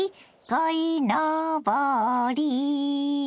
「こいのぼり」